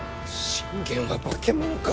信玄は化け物か！